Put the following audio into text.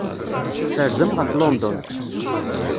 Terzam ɣef London.